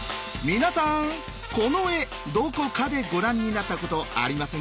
皆さんこの絵どこかでご覧になったことありませんか？